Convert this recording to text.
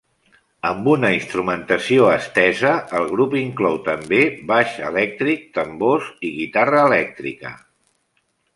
Amb una instrumentació estesa el grup inclou també baix elèctric, tambors i guitarra elèctrica.